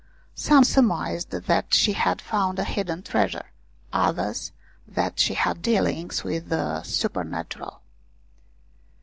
Some surmised that she had found a hidden treasure, others that she had dealings with the supernatural.